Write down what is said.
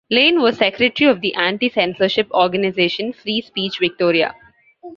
Lane was secretary of the anti-censorship organisation Free Speech Victoria.